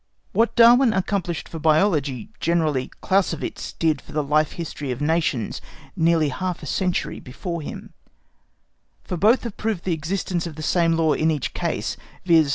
What Darwin accomplished for Biology generally Clausewitz did for the Life History of Nations nearly half a century before him, for both have proved the existence of the same law in each case, viz.